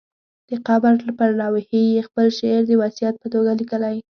د قبر پر لوحې یې خپل شعر د وصیت په توګه لیکلی.